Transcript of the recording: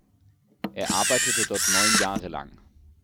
Er arbeitete dort neun Jahre lang.